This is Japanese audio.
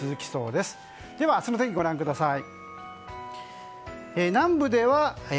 では明日の天気ご覧ください。